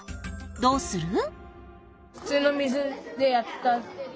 どうする？